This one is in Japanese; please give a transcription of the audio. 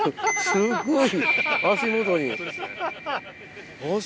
すごい。